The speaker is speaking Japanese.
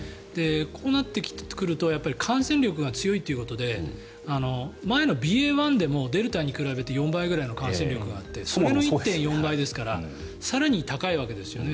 こうなってくるとやっぱり感染力が強いということで前のＢＡ．１でもデルタに比べて４倍くらいの感染力があってそれの１．４倍ですから更に高いわけですよね。